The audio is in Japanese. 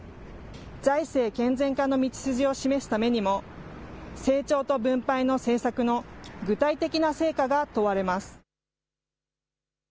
財政健全化の道筋を示すためにも成長と分配の政策の具体的な成果が問われます。